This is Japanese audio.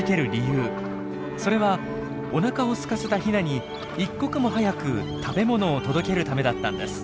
それはおなかをすかせたヒナに一刻も早く食べ物を届けるためだったんです。